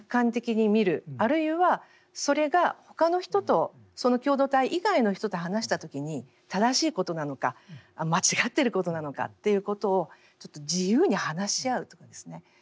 あるいはそれが他の人とその共同体以外の人と話した時に正しいことなのか間違っていることなのかということをちょっと自由に話し合うとかですね